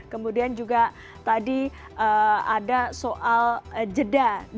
kemudian juga tadi ada soal jeda